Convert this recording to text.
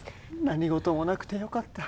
何事もなくてよかった。